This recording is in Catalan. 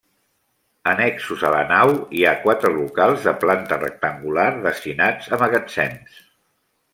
Annexos a la nau, hi ha quatre locals de planta rectangular destinats a magatzems.